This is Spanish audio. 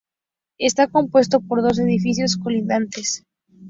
Está compuesto por dos edificios colindantes.